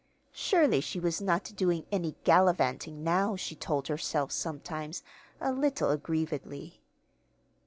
Surely she was not doing any "gallivanting" now, she told herself sometimes, a little aggrievedly.